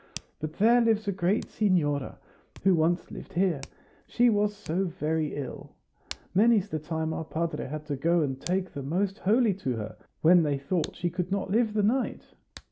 But there lives a great signora, who once lived here; she was so very ill! Many's the time our padre had to go and take the Most Holy to her, when they thought she could not live the night.